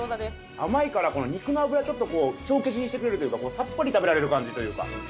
甘いから肉の脂ちょっと帳消しにしてくれるというかさっぱり食べられる感じというか。